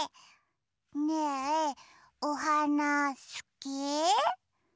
ねえおはなすき？